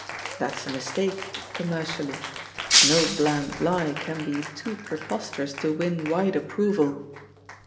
That's a mistake^ commercially. No bland lie can be too preposterous to win wide approval.